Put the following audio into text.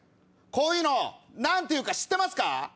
こういうの何ていうか知ってますか？